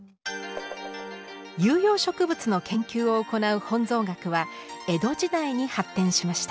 有用植物の研究を行う本草学は江戸時代に発展しました。